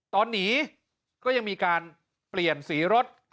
ตอนนี้ก็ยังมีการเปลี่ยนสีรถ